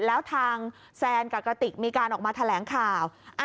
แล้วทางแซนกับกระติกมีการออกมาแถลงข่าว